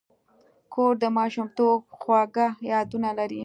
کور د ماشومتوب خواږه یادونه لري.